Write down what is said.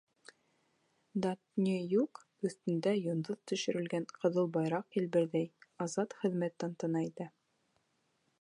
Датныюк өҫтөндә йондоҙ төшөрөлгән ҡыҙыл байраҡ елберҙәй, азат хеҙмәт тантана итә.